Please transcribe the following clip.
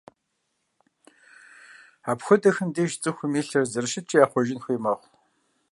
Апхуэдэхэм деж цӏыхум и лъыр зэрыщыткӏэ яхъуэжын хуей мэхъу.